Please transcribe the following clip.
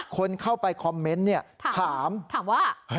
คนเข้าไปคอมเมนต์เนี่ยถามถามว่า